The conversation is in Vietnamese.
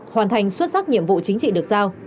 hoàn thành xuất sắc nhiệm vụ chính trị được giao